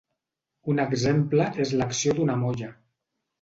Un exemple és l'acció d'una molla.